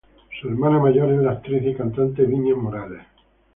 Su hermana mayor es la actriz y cantante Viña Morales.